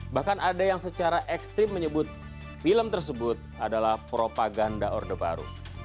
bahkan ada yang secara ekstrim menyebut film tersebut adalah propaganda orde baru